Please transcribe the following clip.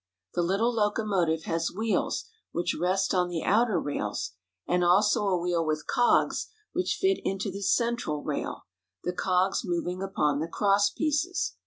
The little locomotive has wheels which rest on the outer rails, and also a wheel with cogs which fit into this central rail, the cogs moving upon the crosspieces.